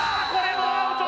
これもアウトだ